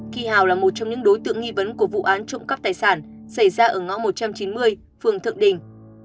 trong những đối tượng nghi vấn của vụ án trộm cắp tài sản xảy ra ở ngõ một trăm chín mươi phường thượng đình